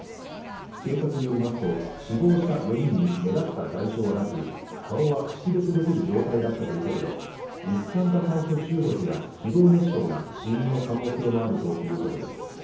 警察によりますと死亡した４人に目立った外傷はなく顔は識別できる状態だったということで一酸化炭素中毒や気道熱傷が死因の可能性もあるということです